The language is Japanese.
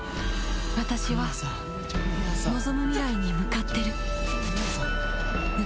私は望む未来に向かってる。